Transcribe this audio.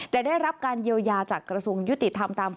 ได้รับการเยียวยาจากกระทรวงยุติธรรมตาม